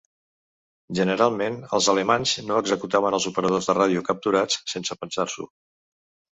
Generalment, els alemanys no executaven els operadors de ràdio capturats sense pensar-s'ho.